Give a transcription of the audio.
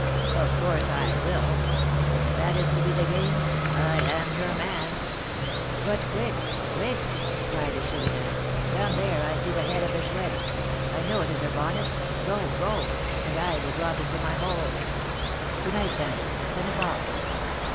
"Of course I will; and, if that is to be the game, I am your man. But quick, quick," cried the Chourineur, "down there I see the head of the Chouette. I know it is her bonnet. Go, go, and I will drop into my hole." "To night, then, at ten o'clock."